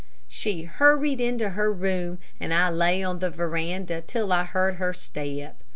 She hurried into her room, and I lay on the veranda till I heard her step.